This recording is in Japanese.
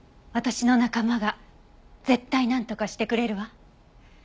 私の仲間が絶対なんとかしてくれるわ。